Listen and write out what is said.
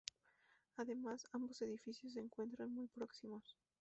Además, ambos edificios se encuentran muy próximos.